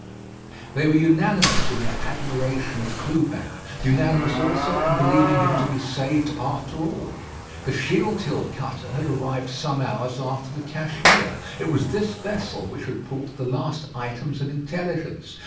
They were unanimous in their admiration of Clubin; unanimous also in believing him to be saved after all. The Shealtiel cutter had arrived some hours after the Cashmere. It was this vessel which had brought the last items of intelligence.